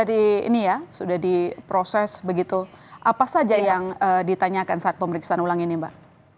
oh sudah di proses begitu apa saja yang ditanyakan saat pemeriksaan ulang ini mbak